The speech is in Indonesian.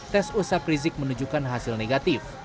tes usap rizik menunjukkan hasilnya